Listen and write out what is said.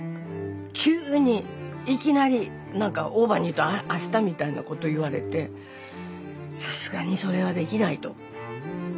急にいきなり何かオーバーに言うとあしたみたいなことを言われてさすがにそれはできないと。